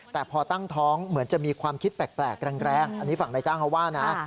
แต่พอตั้งท้องเหมือนจะมีความคิดแปลกแรงอันนี้ฝั่งนายจ้างเขาว่านะ